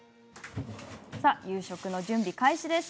夕食の準備開始です。